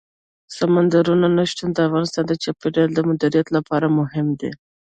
سمندر نه شتون د افغانستان د چاپیریال د مدیریت لپاره مهم دي.